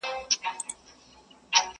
زه او خدای پوهېږو چي هینداري پرون څه ویل!